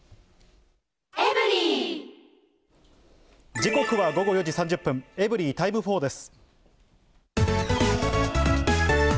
時刻は午後４時３０分、エブリィタイム４です。